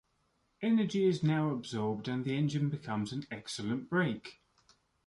Energy is now absorbed and the engine becomes an excellent brake.